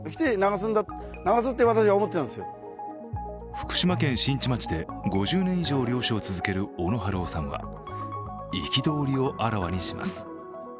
福島県新地町で５０年以上漁師を続ける小野春雄さんは憤りをあらわにします。